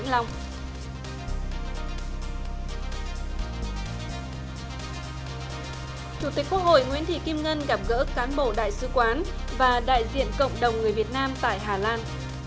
hội nguyễn thị kim ngân gặp gỡ cán bộ đại sứ quán và đại diện cộng đồng người việt nam tại hà lan